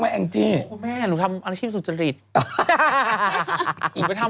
คุณหมอโดนกระช่าคุณหมอโดนกระช่า